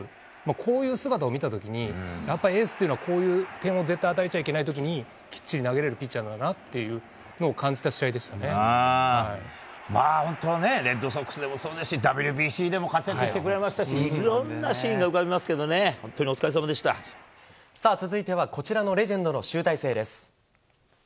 こういうシーンを見た時やっぱりエースというのは点を絶対与えちゃいけない時にきっちり投げれるピッチャーなんだなと本当にレッドソックスでもＷＢＣでも活躍してくれましたしいろんなシーンが浮かびますが続いてはこちらのレジェンドの集大成です。